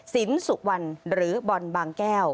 สินสุวรรณหรือบอลบางแก้ว